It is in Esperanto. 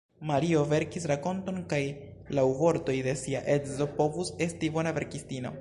Mario verkis rakonton, kaj laŭ vortoj de sia edzo povus esti bona verkistino.